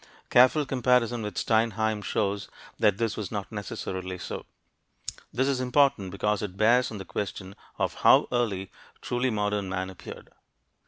Careful comparison with Steinheim shows that this was not necessarily so. This is important because it bears on the question of how early truly "modern" man appeared.